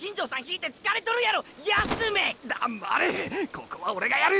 ここはオレがやる。